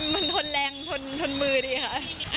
มันทนแรงทนมือดีค่ะ